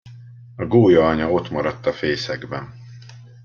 A gólyaanya ottmaradt a fészekben.